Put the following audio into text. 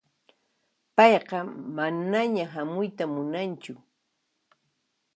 Payqa manaña hamuyta munanchu.